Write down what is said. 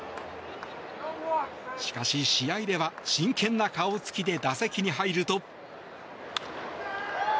しかし試合では真剣な顔つきで打席に入ると。